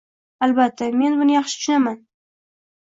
Albatta, men buni juda yaxshi tushunaman.